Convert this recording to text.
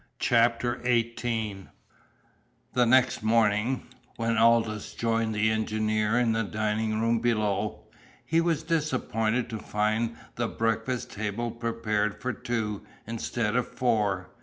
CHAPTER XVIII The next morning, when Aldous joined the engineer in the dining room below, he was disappointed to find the breakfast table prepared for two instead of four.